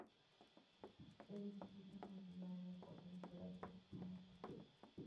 El Instituto funcionó en el Cuartel Páez de Maracay.